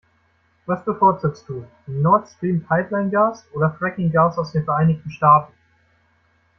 Was bevorzugst du, Nord-Stream-Pipeline-Gas oder Fracking-Gas aus den Vereinigten Staaten?